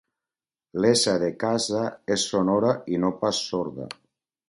L'essa de casa és sonora i no pas sorda